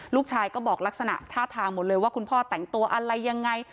ลูกชายก็บอกลักษณะท่าทางหมดเลยว่าคุณพ่อแต่งตัวอะไรยังไง